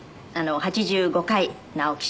８５回直木賞。